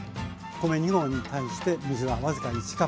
米２合に対して水は僅か１カップ。